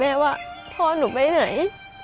ว่าพ่อหนูไปไหน